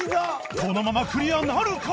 このままクリアなるか？